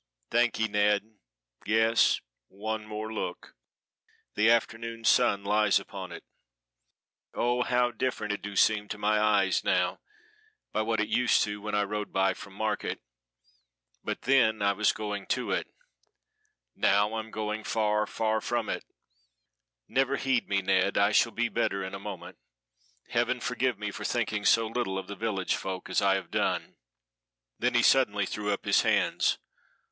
"Thank ye, Ned! Yes one more look the afternoon sun lies upon it. Oh, how different it do seem to my eyes now, by what it used when I rode by from market; but then I was going to it, now I'm going far, far from it never heed me, Ned I shall be better in a moment. Heaven forgive me for thinking so little of the village folk as I have done." Then he suddenly threw up his hands.